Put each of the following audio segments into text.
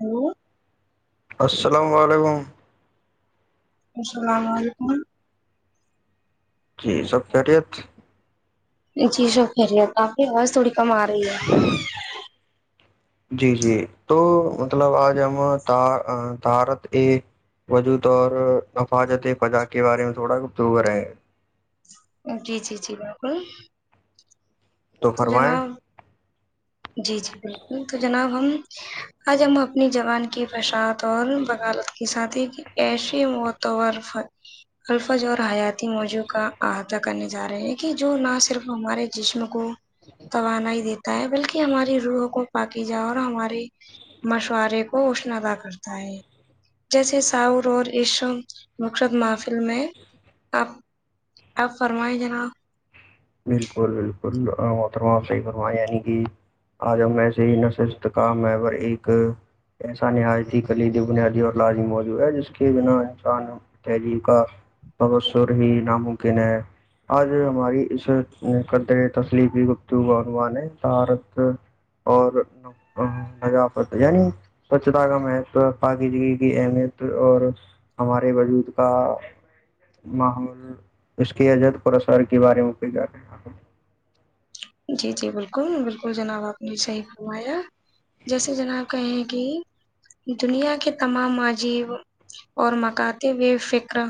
ہاں السلام علیکم السلام علیکم جی سب خیریت جی شکری ہے تو آپ کی آواز تھوڑی کم آ رہی ہے جی جی تو مطلب آج ہم ت تارت ا وجود اور نفاظت فضاق کے بارے میں تھوڑا کت رہے جی جی جی بالکل تو فرمائیں جی جی بالکل تو جناب ہم آج ہم اپنی زبان کی فشاعت اور بغالت کی ساتھی کی ایشی متورف الفظ اور حیاتی موضوع کا احاطہ کرنے جا رہے ہیں کہ جو نہ صرف ہمارے جسم کو توانا ہی دیتا ہے بلکہ ہماری روح کو پاکی جائے اور ہمارے مشورارے کو اشن ادا کرتا ہے جیسے ساور اور عش مقصد محفل میں آپ اپ فرمائیں جناب بالکل بالکل محترما صحی فرما یعنی کہ آجم میں سےے ہی ن صرستت کاام ہے اور ایک ایسا نہایت ہی کلی دی بنیادی اور لازم موجودع ہے جس کے بنا انسان تہذیب کا بثر ہی ناممکن ہے آج ہماری اس قدر تسلیف بھی گپت ہوا عنوان ہے طارت اور ہپ یعنی سوچھتا کا محو پاکی جی کی اہمیت اور ہمارے وجود کا ماحول اس کے عجت پر اسار کے بارے میں کوئی جا رہے ہیں جی جی بالکل بالکل جناب آپ نے صحیح فرمایا جیسے جناب کہیں کہ دنیا کے تمام عاجیب اور مکاتے ہوئے فکرا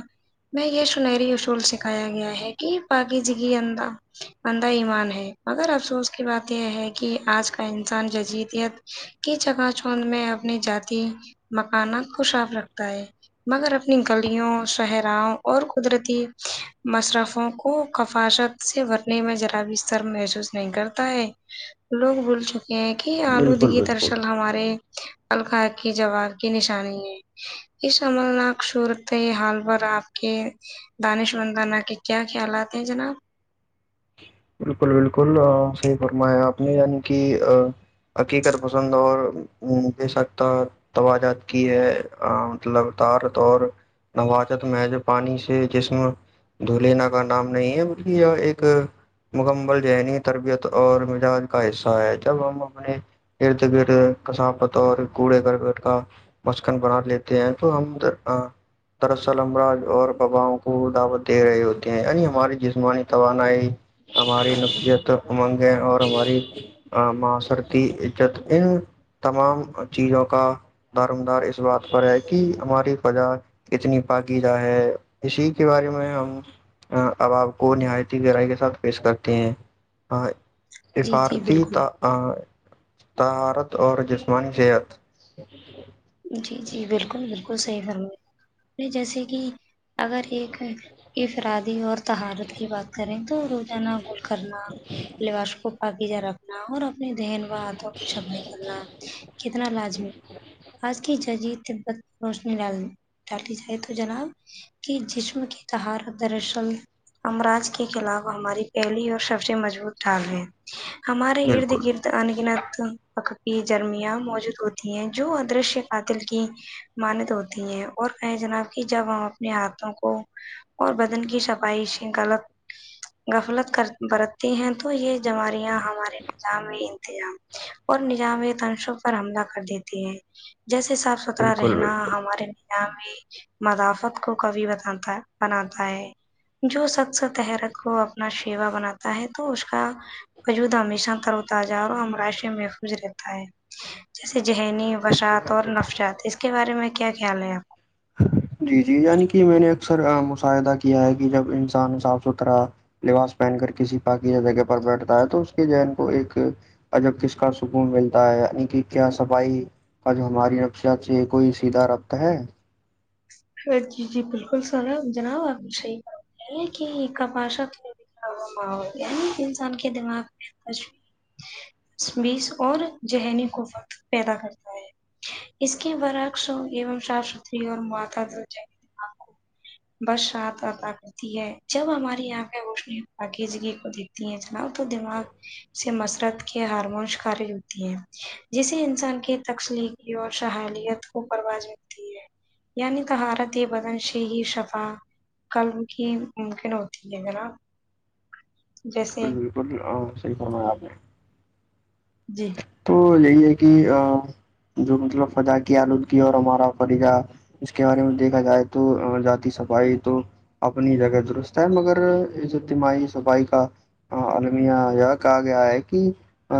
میں یہ سنہری اصول سکھایا گیا ہے کہ پاغی جگی اندا انندہ ایمان ہے مگر افسوس کی بات یہ ہے کہ آج کا انسان ججیدیت کی جگہ چھونند میں اپنی جات مکانا خوشاف رکھتا ہے مگر اپنی گلیوں صہراہں اور قدرتی مشرفوں کو کفاشت سے بھرنے میں جرا بھی ستر مح نہیں کرتا ہے لوگ بول چکے ہیں کہ بالکل آلودگی بالکل درصل ہمارے القاار کی جواب کی نشانی ہے اس عمرناک صورت حال پر آپ کے دانے شورندانہ کے کیا خیالات ہیں جناب بالکل بالکل صحیح فرمایا آپ نے یعنی کہ عقیقت پسند اور جے سکتا توجات کی ہے لگاتار دور نوجت میں جو پانی سے جسم دھولینا کا نام نہیں ہے بک یہ ایک مکمل ذہنی تربیت اور مزاج کا حصہ ہے جب ہم اپنے ارد گرد کساں پت اور کوڑے گ بیٹھ کا مچکن بنا لیتے ہیں تو ہم دراسل امراج اور بباؤں کو دعوت دے رہے ہوتے ہیں یعنی ہماری جسمانی تو ہماری نقیت امنگیں اور ہماری معاسرتی عزت ان تمام چیزوں کا دارمدار اس بات پر ہے کہ ہماری فجا اتنی پقیدہ ہے اسی کے بارے میں ہم اب آپ کو نہایت گہرائی کے ساتھ پیش کرتے ہیں جی جی سفارتی بالکل ت تہارت اور جسمانی صحت جی جی بالکل بالکل صحیح فرم جیسے کہ اگر ایک افرادی اور تہارت کی بات کریں تو روزانہ گل کرنا لباش کو باغیجا رکھنا اور اپنے دہن و ہاتھوں کی صفائی کرنا کتنا لازمی آس کیچ جی تبت روشنی ڈال ڈالی جائے تو جناب کہ جسم کی تہار دراصل ہمراج کے خلاف ہماری پہلی اور سب سے مضبوط ڈھالگ ہے ہمارے ارد بالکل گرد انگنت پکی جرمیاں موجود ہوتی ہیں جو دش پاتل کہ مانت ہوتی ہے اور کہیں جناب کہ جب ہم اپنے ہاتھوں کو اور بدن کی صفائ شکھلگ غفلت کر برتتی ہیں تو یہ جوماریاں ہمارے نظامی انتظام اور نظام تنشوں پر حملہ کر دیتی ہے جیسے صاف ستھرا بالکل رہنا بالکل ہمارے میں مدافت کو کبھی بتاتا بناتا ہے جو سخص تحرک کو اپنا شیوا بناتا ہے تو اس کا وجود ہمیشہ تر وتازہ اور امراش محفوظ رہتا ہے جیسے ذہنی وشعت اور نفشت اس کے بارے میں کیا خیال ہیں آپ جی جی یعنی کہ میں نے اکثر مشاہدہ کیا ہے کہ جب انسان صاف ستھرا لباس پہن کر کسی پاک جگہ پر بیٹھتا ہے تو اس کے جین کو ایک ا جب کس کا سکون ملتا ہے یعنی کہ کیا صفائی آج ہماری رقشہ سے کوئی سیدھا رابطہ ہے جی جی بالکل سارا جناب آپ صحیح ہے یہ کہ کباشا دکھا انسان کے دماغ میں تشوص اور ذہنی کو فقت پیدا کرتا ہے اس کے برعکس ہو ایوم صاف ستھری اور مطات جہے دماغ کو بس رات آتا کرتی ہے جب ہماری آنکھیں وہشنی پاکیزگی کو دیک ت جناؤ تو دماغ سے مسرت کے ہارمونس خارج ہوتی ہیں جسے انسان کی تکلیق اور سحلیت کو پرواز یانی ت ہ رتی بدن شی ہی شف کل کی ممکن ہوتی ہے ہے نا بالکل بالکل صحیح فناا ہے آپ نے جی تو یہی ہے کہ جو مطلب فضا کی آلودگی اور ہمارا فریقہ اس کے بارے میں دیکھا جائے تو ذاتی صفائی تو اپنی جگہ درست ہے مگر اس اجتماعی صفائی کا المیہ یہ کہا گیا ہے کہ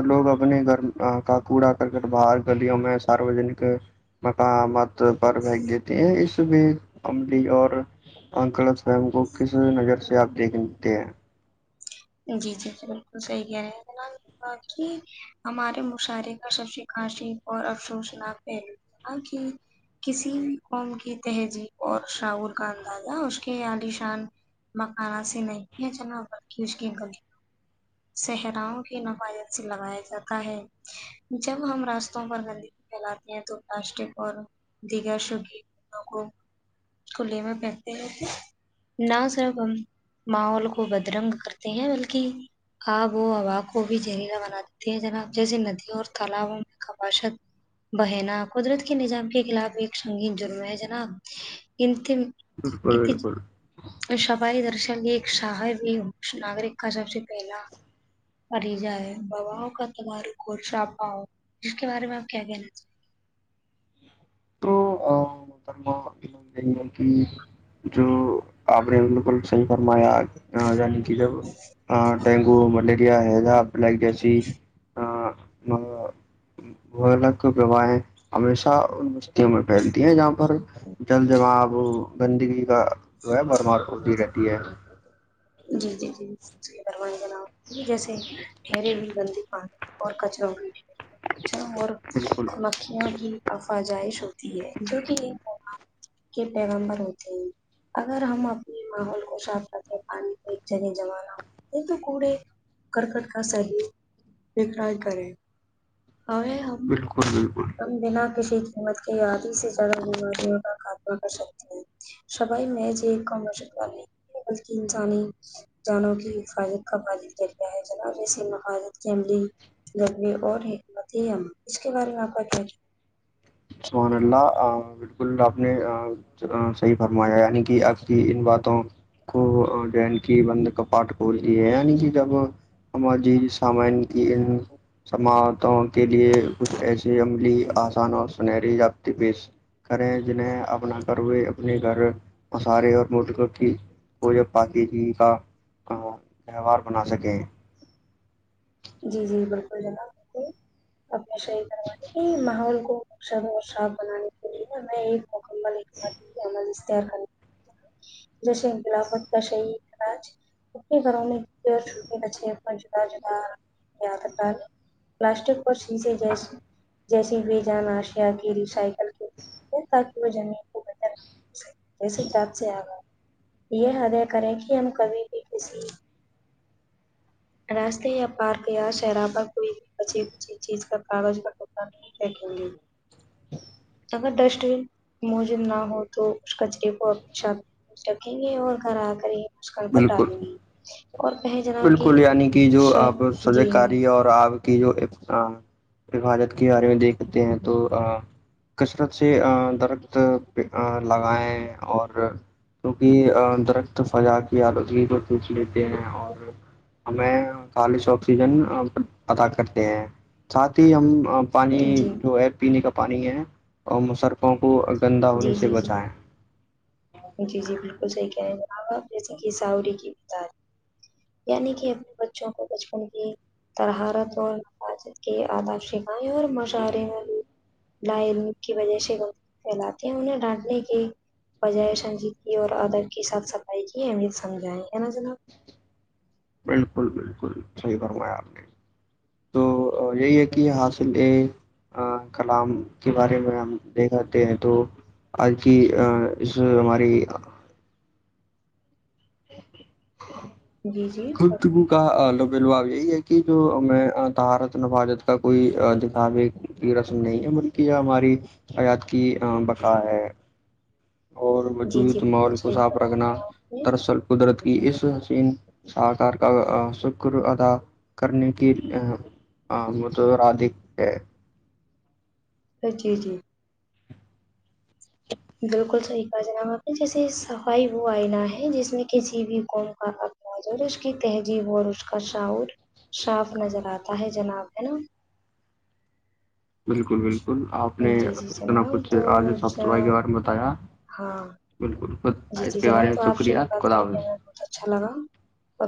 لوگ اپنے گھر کا کوڑا کرکٹ باار گلیوں میں ساروجنک مقامات پر بھیھنگ دیتی ہیں اس میں عملی اور انکلت فوم کو کس نظر سے آپ دیکھتے ہیں جی جی جی بالکل صحیح کہہ رہے ہیں بی ہمارے مشاعرے کا سب سے کااشف اور افسوسناک ہےل آکھی کسی بھی قوم کی تہذیب اور شاعور کا اندازہ اس کے عالیشان مکانا سے نہیں بھی ج ن بکھی اس کے گل صحراؤوں کی نفاظت سے لگایا جاتا ہے جب ہم راستوں پر گندگی پھیلاتے ہیں تو پلاسٹک اور دیگر سگ [unintelligible] کلہے میں پہنتے تھے نہ صرف ہم ماحول کو بدرنگ کر ہیں بلکہ آب و ہوا کو بھی زہریلا بنا دیتے ہیں جنا جیسے ندیوں اور تالابوں میں کپاشت بہنا قدرت کے نظام کے خلاف ایک سنگین جرم ہے جناب انتم بالکل بالکل شپائی درشا لی ایک شاب بھی ناگرک کا سب سے پہلا پری جا ببا کا تار چاپا ہو جس کے بارے میں آپ کیا کہنا چاہتے ہیں [unintelligible] جو آپ نے بالکل صحی فرمایا آ یعنی کہ جب ڈینگو ملیریا ہےضہ بلائک جیسی وہ الگ وواہ ہے ہمیشہ پھیلتی ہیں جہاں پر جل جم اب گندگی کا جو ہے برمار ہوتی رہتی ہے جی جی جی فرمائ جیسے ٹھیرے ہو بند پانی اور کچروں گ اور بالکل مکوں کی افجائش ہوتی ہے کیک یہ کے پیغم پر ہوتے ہیں اگر ہم اپنے ماحول کو صاف رکھتے آ ایک جنے جمانا یہ تو کڑے کرکٹ کا سی ٹرائی کریں ا بالکل بالکل ہم بنا کسی قیمت کے آدی سے زیادہ بیماریوں کا خاتمہ کر سکتے ہیں سبائی میر ج ایک کمرشت وال کن جانی جانوں کی حفاظت کا بالن کیا گیا ہے جناے سے مفادت کی عملی ضروری اور حمت ہی ہم اس کے بارے میں آپ کا چ سو نےلہ آ بالکل آپ نے صحیح فرمایا یعنی کہ آپ کی ان باتوں کو جین کی بند کپاٹ کھولتی ہے یعنی کہ جب ہمار جی سامان کی سماعتوں کے لیے کچھ ایسی عملی آسان اور سنہری ابط پیش کریں جنہیں اپنا گھر ہوئے اپنے گھر مسارے اور ملکوں کی وہ جب پاکی جی کا تہوار بنا سکیں جی جی بالکل جناب بالک ہمیشہ یہ کروانے کہ ماحول کو نقثر اور صاف بنانے کے لیے [unintelligible] [unintelligible] جیسے بلافت کا شیداجے کرونے چھ کاے جدا جدا یات کال پلاسٹک پر سیزے جس جیسے و جان آشیا کی ریسائیکل کی تاکہ وہ جمنے کو بہتر جسے جپ سے آگا یہ ہدے کریں کہ ہم کبھی بھی کسی راستے یا پارک یا شرابہ کوئی بھی کچ کچ چیز کا کاغذ کا ٹھیک جی اگر ڈسٹ بن موجود نہ ہو تو اس کچرے کو اپنے ساتھ میں رکھیں گے اور گھر آ کر ہی مسکڑ پر ڈالیں بالکل گے اور کہہ جناب کی بالکل یعنی کہ جو اب سجے کاری اور آپ کی جو پ بھالت کے بارے میں دیکھتے ہیں تو کثرت سے درد لگائیں اور کیونکہ درخت فضا کی آلودگی کو پوچ لیتے ہیں اور ہمیں چالیس آکسیجن ادا کرتے ہیں ساتھ ہی ہم پانی جی جو ہے پینے کا پانی ہے اور مشرقوں کو گندا ہونے جی سے جی بچا ہے جی جی بالکل صحیح کہہیں گے ا آپ جیسے کہ ساوری کیار یعنی کہ اپنے بچوں کو بچپن کی ترہارت اور حفاظت کے آدا شم اور مشاہرے میں لائ کی وجہ سےگی پھیلاتے ہیں انہیں ڈانٹنے کی وجہ سے نی کی اور آدر کی ساتھ صفائی کی اہمیت سمجھائیں ہے نا جناب بالکل بالکل صحیح درم ار تو یہی ہے کہ حاصل کلام کے بارے میں ہم دیکھتے ہیں تو آج کی اس ہماری [unintelligible] جی جی خودگو کا لب لباب یہی ہے کہ جو میں تہارت نفاجت کا کوئی جساب ایک رسم نہیں ہے بلکہ یہ ہماری حیات کی بقا ہے اور جی جی وجود بالکل ماحول کو صحیح صاف فرمایا رکھنا جناب آپ نے دراصل قدرت کی اس حسین سکار کا شکر ادا کرنے کی ہ م تو رادھک ہے ا جی جی ھھ بالکل صحیح کاا جناب آپ نے جیسے صفائی وہ آئنا ہے جس میں کسی بھی قوم کا مو اس کی تہذیب اور اس کا شاعور صاف نظر آتا ہے جناب ہے نا بالکل بالکل آپ نے جی جی اتنا جناب کچھ تو آج صاف صفائی کے جناب بارے میں بتایا ہاں بالکل خ جی اس جی کے بارے جناب میں تو آپ سے شکریہ بھی بات کر خدا کے حاظ ہمیں بہت اچھا لگا ب